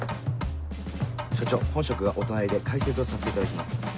署長本職がお隣で解説をさせていただきます。